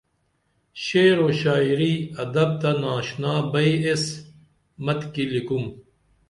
شعرو شاعری ادب تہ ناشنا بئی ایس متِکی لِکُم